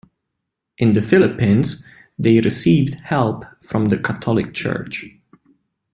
In the Philippines, they received help from the Catholic church.